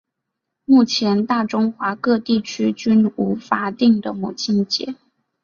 目前大中华各地区均无法定的母亲节。